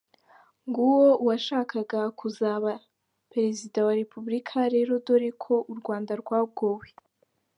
Nguwo uwashakaga kuzaba Perezida wa Repubulika rero dore ko u Rwanda rwagowe!